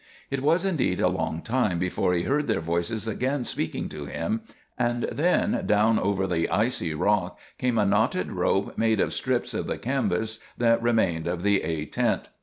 It was indeed a long time before he heard their voices again speaking to him, and then down over the icy rock came a knotted rope made of strips of the canvas that remained of the "A" tent.